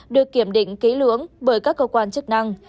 được kiểm định ký lưỡng bởi các cơ quan chức năng